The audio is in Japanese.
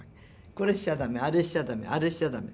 これしちゃ駄目あれしちゃ駄目あれしちゃ駄目。